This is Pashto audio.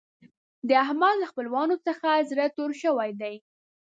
د احمد له خپلوانو څخه زړه تور شوی دی.